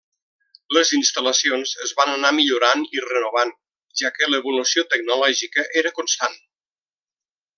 Les instal·lacions es van anar millorant i renovant, ja que l’evolució tecnològica era constant.